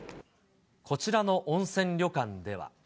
こちらの温泉旅館では。